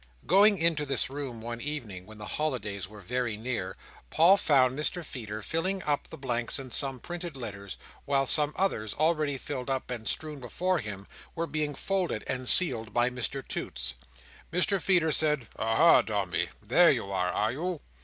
Going into this room one evening, when the holidays were very near, Paul found Mr Feeder filling up the blanks in some printed letters, while some others, already filled up and strewn before him, were being folded and sealed by Mr Toots. Mr Feeder said, "Aha, Dombey, there you are, are you?"